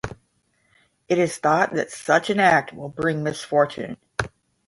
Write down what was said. It is thought that such an act will bring misfortune.